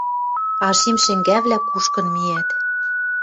А шим шӹнгӓвлӓ кушкын миӓт.